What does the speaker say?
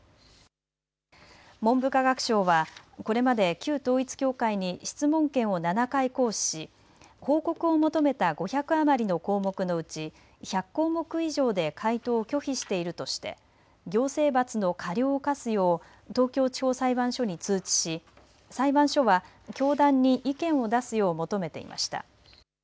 文部科学省はこれまで旧統一教会に質問権を７回行使し、報告を求めた５００余りの項目のうち１００項目以上で回答を拒否しているとして行政罰の過料を科すよう東京地方裁判所に通知し裁判所は教団に意見を出すよう求めていました。